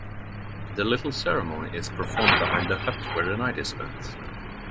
The little ceremony is performed behind the hut where the night is spent.